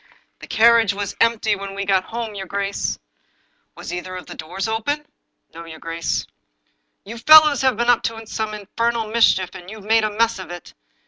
"The carriage was empty when we got home, your grace." " Was either of the doors open? "" No, your grace." " You fellows have been up to some infernal mischief. You have made a mess of it.